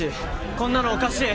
こんなのおかしい！